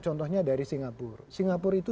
contohnya dari singapura singapura itu